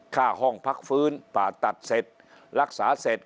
ห้องพักฟื้นผ่าตัดเสร็จรักษาเสร็จ